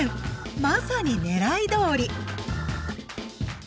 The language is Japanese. まさに狙いどおり！